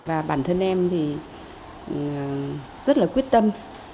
và bản thân em thì rất là quyết tâm